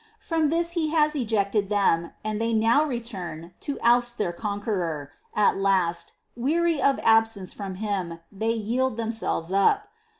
From this He has ejected them, and they now return to oust their conqueror ; at last, weary of absence from Him, they yield themselves up.